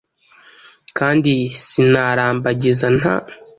Kandi sinarambagiza nta